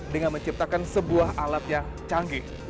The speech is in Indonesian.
dengan menciptakan sebuah alat yang canggih